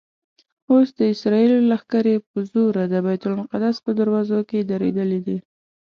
اوس د اسرائیلو لښکرې په زوره د بیت المقدس په دروازو کې درېدلي دي.